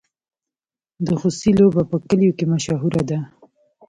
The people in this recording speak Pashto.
د خوسي لوبه په کلیو کې مشهوره ده.